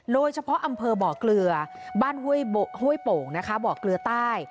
โรยเฉพาะอำเภาะเบาะเกลือบ้านเฮ้วยโป่งเบาะเกลือใต้